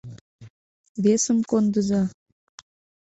— Весым кондыза!